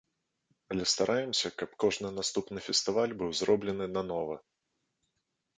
Але стараемся, каб кожны наступны фестываль быў зроблены нанова.